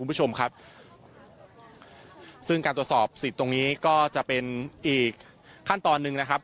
คุณผู้ชมครับซึ่งการตรวจสอบสิทธิ์ตรงนี้ก็จะเป็นอีกขั้นตอนหนึ่งนะครับ